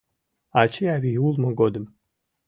Ачий-авий улмо годым